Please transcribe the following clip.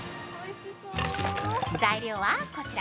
材料はこちら。